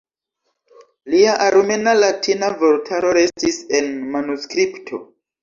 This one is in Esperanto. Lia armena-latina vortaro restis en manuskripto.